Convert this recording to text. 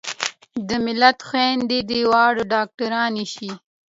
د ملت خويندې دې واړه ډاکترانې شي